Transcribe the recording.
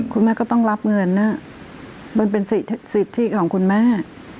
คุณแม่ก็ต้องรับเงินมันเป็นสิทธิของคุณแม่